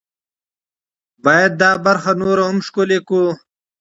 باید دا برخه نوره هم ښکلې کړو.